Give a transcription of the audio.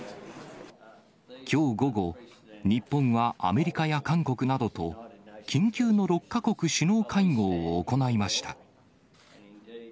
きょう午後、日本はアメリカや韓国などと、緊急の６か国首脳会合を行いました。